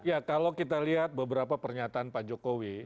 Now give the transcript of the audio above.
ya kalau kita lihat beberapa pernyataan pak jokowi